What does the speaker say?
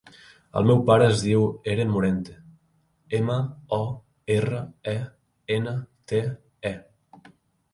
El meu pare es diu Eren Morente: ema, o, erra, e, ena, te, e.